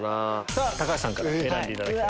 さぁ橋さんから選んでいただきたいと。